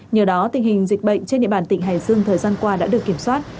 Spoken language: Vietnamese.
nhờ đó tình hình dịch bệnh trên địa bàn tỉnh hải dương thời gian qua đã được kiểm soát